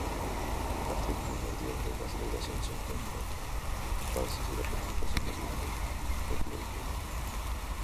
Parte primordial de la celebración son las comparsas y la participación de grupos folclóricos.